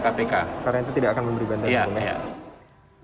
karena itu tidak akan memberi bantuan hukum